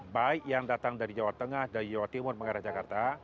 baik yang datang dari jawa tengah dari jawa timur mengarah jakarta